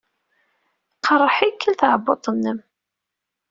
Teqreḥ-ikel tɛebbuḍt-nnem?